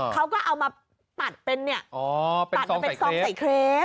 เขาก็เอามาตัดเป็นซองใส่เคร็บ